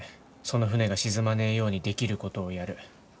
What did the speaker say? その船が沈まねえようにできることをやる。